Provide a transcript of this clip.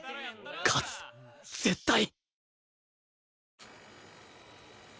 勝つ絶対！